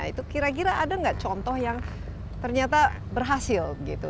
itu kira kira ada nggak contoh yang ternyata berhasil gitu